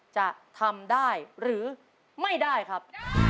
จะทำได้หรือไม่ได้ครับ